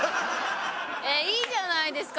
いいじゃないですか。